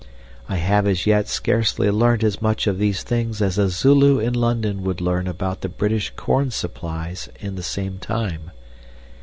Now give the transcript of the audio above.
I have as yet scarcely learnt as much of these things as a Zulu in London would learn about the British corn supplies in the same time.